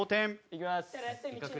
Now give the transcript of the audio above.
いきます。